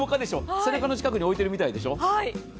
背中の近くに置いてるみたいでしょう？